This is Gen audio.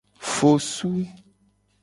Fosu.